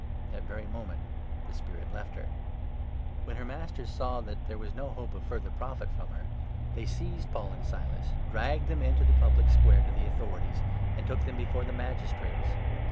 That very moment the spirit left her. When her 19 masters saw that there was no hope of further profit from her, they seized Paul and Silas, dragged them into the public square to the authorities, and took them before the Magistrates.